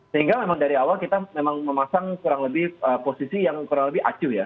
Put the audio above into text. sehingga memang dari awal kita memang memasang kurang lebih posisi yang kurang lebih acu ya